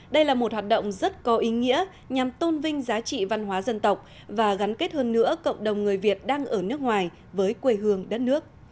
đây là một hoạt động rất có ý nghĩa nhằm tôn vinh giá trị văn hóa dân tộc và gắn kết hơn nữa cộng đồng người việt đang ở nước ngoài với quê hương đất nước